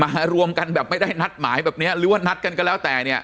รวมกันแบบไม่ได้นัดหมายแบบเนี้ยหรือว่านัดกันก็แล้วแต่เนี่ย